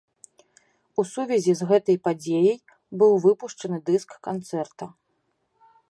У сувязі з гэтай падзеяй быў выпушчаны дыск канцэрта.